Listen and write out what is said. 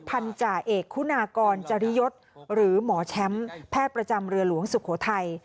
พันธาเอกคุณากรจริยศหรือหมอแชมป์แพทย์ประจำเรือหลวงสุโขทัย